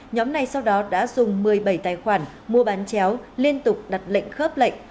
nhóm này sau đó đã dùng một mươi bảy tài khoản mua bán chéo liên tục đặt lệnh khớp lệnh